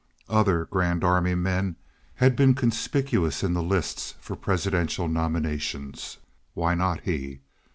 Other Grand Army men had been conspicuous in the lists for Presidential nominations. Why not he?